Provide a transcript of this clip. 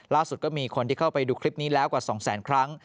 ล่าสุดก็มีคนที่เข้าไปดูคลิปนี้แล้วกว่า๒๐๐๐๐๐ครั้ง